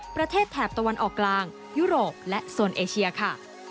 ประเทศแถบตะวันออกกลางยุโรปและส่วนเอเชียค่ะ